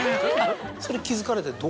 それ気付かれてどう。